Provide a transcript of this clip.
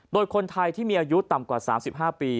โดยคนไทยที่มีอายุต่ำกว่า๓๕ปี